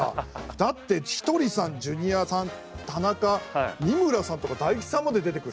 だってひとりさんジュニアさん田中三村さんとか大吉さんまで出てくる。